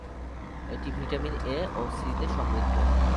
এটি vitamin A ও C- তে সমৃদ্ধ।